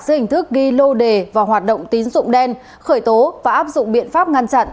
dưới hình thức ghi lô đề và hoạt động tín dụng đen khởi tố và áp dụng biện pháp ngăn chặn